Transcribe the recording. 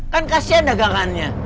kan kasihan dagangannya